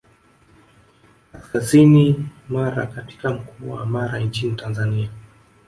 Kaskazini Mara katika mkoa wa Mara nchini Tanzania